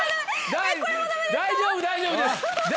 大丈夫です大丈夫です。